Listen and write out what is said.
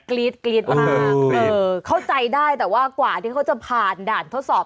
กรี๊ดกรี๊ดมากเข้าใจได้แต่ว่ากว่าที่เขาจะผ่านด่านทดสอบ